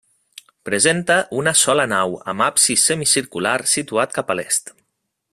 Presenta una sola nau amb absis semicircular situat cap a l'est.